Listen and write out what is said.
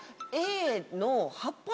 Ａの。